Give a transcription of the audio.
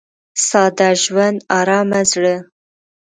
• ساده ژوند، ارامه زړه.